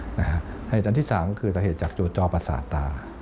สาเหตุอันที่สามคือสาเหตุจากจวดจอบประสาทตา